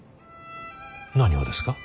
何をですか？